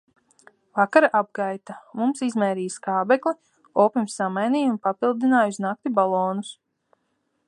Vakara apgaita, mums izmērīja skābekli, opim samainīja un papildināja uz nakti balonus.